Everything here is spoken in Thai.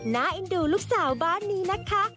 เอ็นดูลูกสาวบ้านนี้นะคะ